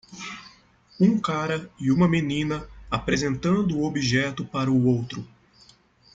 Um cara e uma menina apresentando objeto para o outro.